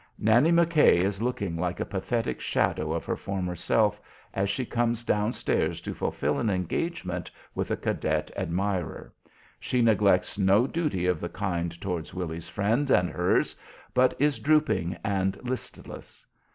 Nannie McKay is looking like a pathetic shadow of her former self as she comes down stairs to fulfil an engagement with a cadet admirer. She neglects no duty of the kind towards Willy's friends and hers, but she is drooping and listless.